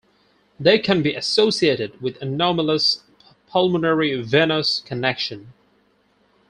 They can be associated with anomalous pulmonary venous connection.